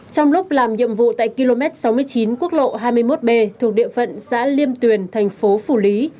trong lúc làm nhiệm vụ tại km sáu mươi chín quốc lộ hai mươi một b thuộc địa phận xã liêm tuyền thành phố phủ lý